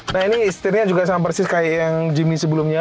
nah ini setirnya juga sama persis kayak yang jimmy sebelumnya